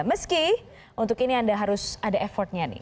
meski untuk ini anda harus ada effortnya nih